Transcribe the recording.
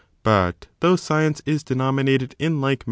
But though science is denominated in like 5.